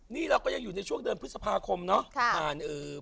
นี่เราก็อยู่ในช่วงเดือนพฤษภาคมพระมุรีค่ะ